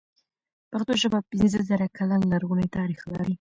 پښتو ژبه پنځه زره کلن لرغونی تاريخ لري.